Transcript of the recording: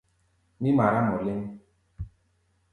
Mí mará mɔ hɛ̧ɛ̧ léŋ.